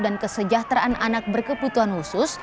dan kesejahteraan anak berkebutuhan khusus